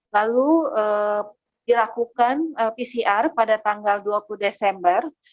lalu dilakukan pcr pada tanggal dua puluh desember